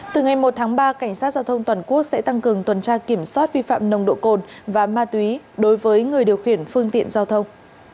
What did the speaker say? từ ngày một tháng ba cảnh sát giao thông toàn quốc sẽ tăng cường tuần tra kiểm soát vi phạm nồng độ cồn và ma túy đối với người điều khiển phương tiện giao thông